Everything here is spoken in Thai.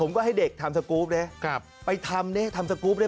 ผมก็ให้เด็กทำสกรูปเนี้ยครับไปทำเนี้ยทำสกรูปเนี้ย